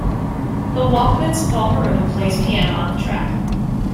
The Walkmen's Paul Maroon plays piano on the track.